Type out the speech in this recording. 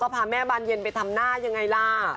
พาแม่บานเย็นไปทำหน้ายังไงล่ะ